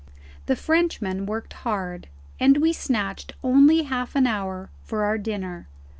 The Frenchman worked hard, and we snatched only half an hour for our dinner.